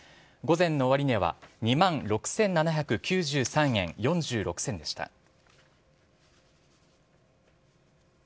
午前の終値は２万６７９３円４６銭でした。